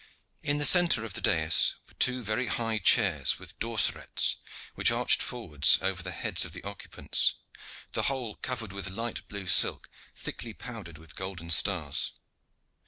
In the centre of the dais were two very high chairs with dorserets, which arched forwards over the heads of the occupants, the whole covered with light blue silk thickly powdered with golden stars.